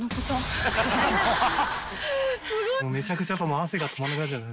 めちゃくちゃ。